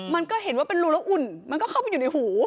มันก็เห็นว่าเป็นรูแล้วอุ่นมันก็เข้าไปอยู่ในหู